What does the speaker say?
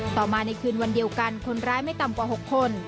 ต่อมาในคืนวันเดียวกันคนร้ายไม่ต่ำกว่า๖คน